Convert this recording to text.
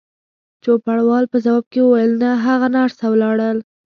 چوپړوال په ځواب کې وویل: نه، هغه نرسه ولاړل.